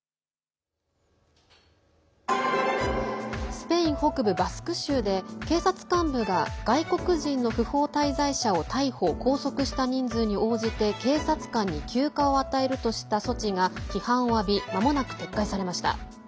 スペイン北部バスク州で警察幹部が外国人の不法滞在者を逮捕拘束した人数に応じて警察官に休暇を与えるとした措置が批判を浴びまもなく撤回されました。